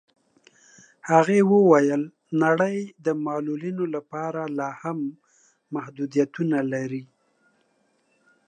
هغې وویل نړۍ د معلولینو لپاره لاهم محدودیتونه لري.